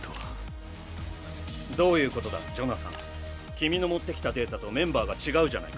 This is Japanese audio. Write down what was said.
君の持ってきたデータとメンバーが違うじゃないか。